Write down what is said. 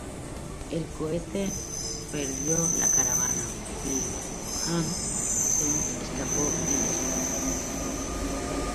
El cohete perdió la caravana, y Hun Sen escapó ileso.